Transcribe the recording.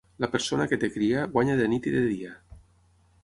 La persona que té cria, guanya de nit i de dia.